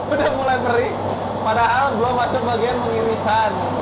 udah mulai beri padahal belum masuk bagian mengirisan